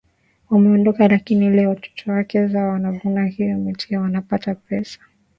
wameondoka lakini leo watoto na wake zao wanavuna hiyo miti na wanapata pesa